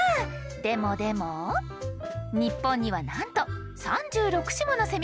でもでも日本にはなんと３６種ものセミがいるんですよ！